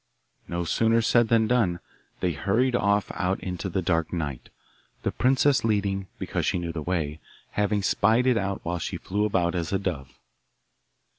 No sooner said than done. They hurried off out into the dark night, the princess leading, because she knew the way, having spied it out while she flew about as a dove.